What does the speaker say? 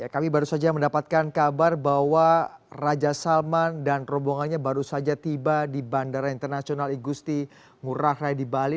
kami baru saja mendapatkan kabar bahwa raja salman dan rombongannya baru saja tiba di bandara internasional igusti ngurah rai di bali